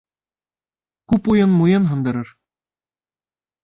Күп уйын муйын һындырыр.